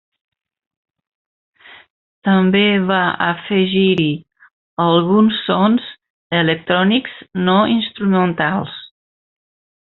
També va afegir-hi alguns sons electrònics no instrumentals.